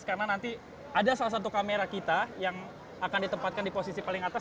karena nanti ada salah satu kamera kita yang akan ditempatkan di posisi paling atas